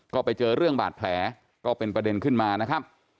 ก็ไปเจอเรื่องบาดแผลก็เป็นประเด็นขึ้นมานะครับ